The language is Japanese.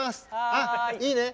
あっいいね！